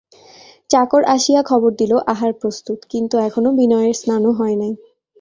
চাকর আসিয়া খবর দিল আহার প্রস্তুত– কিন্তু এখনো বিনয়ের স্নানও হয় নাই।